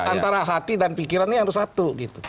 antara hati dan pikirannya harus satu